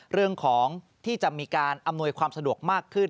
เรื่องของที่จะมีการอำนวยความสะดวกมากขึ้น